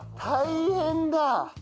大変だ！